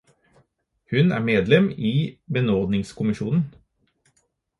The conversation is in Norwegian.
Hun er medlem i benådningskommisjonen.